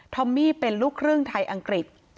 อมมี่เป็นลูกครึ่งไทยอังกฤษ